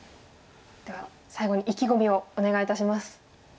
では最後に意気込みをお願いいたします。